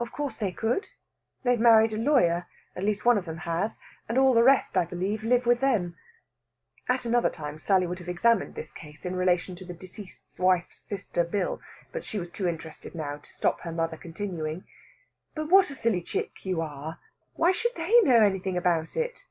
"Of course they could. They've married a lawyer at least, one of them has. And all the rest, I believe, live with them." At another time Sally would have examined this case in relation to the Deceased Wife's Sister Bill. She was too interested now to stop her mother continuing: "But what a silly chick you are! Why should they know anything about it?"